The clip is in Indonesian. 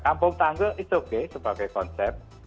kampung tangga itu oke sebagai konsep